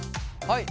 はい。